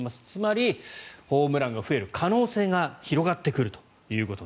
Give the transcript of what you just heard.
つまり、ホームランが増える可能性が広がってくると。